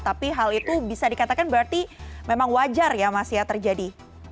tapi hal itu bisa dikatakan berarti memang wajar ya mas ya terjadi